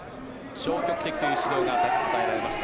消極的という指導が与えられました。